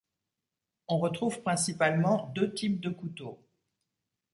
On retrouve principalement deux types de couteaux.